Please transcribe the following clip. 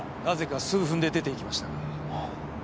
なぜか数分で出て行きましたが。